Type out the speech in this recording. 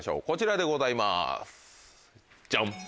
こちらでございますジャン。